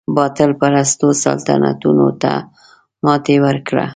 باطل پرستو سلطنتونو ته ماتې ورکړه.